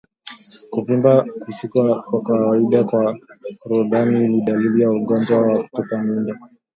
Kuvimba kusiko kwa kawaida kwa korodani ni dalili ya ugonjwa wa kutupa mimba